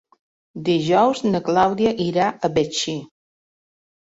Dijous na Clàudia irà a Betxí.